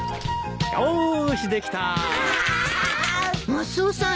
マスオさん